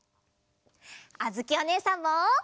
あづきおねえさんも！